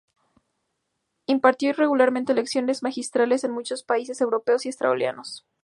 Impartió regularmente lecciones magistrales en muchos países europeos y en Australia.